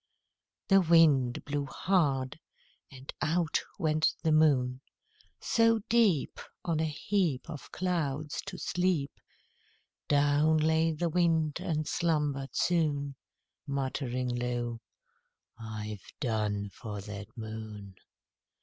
The Wind blew hard, and out went the Moon. So deep, On a heap Of clouds, to sleep, Down lay the Wind, and slumbered soon Muttering low, "I've done for that Moon."